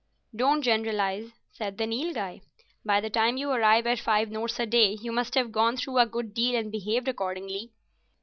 "Don't generalise," said the Nilghai. "By the time you arrive at five notes a day you must have gone through a good deal and behaved accordingly.